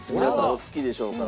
お好きでしょうから。